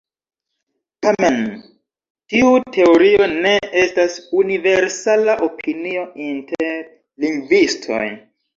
Tamen, tiu teorio ne estas universala opinio inter lingvistoj.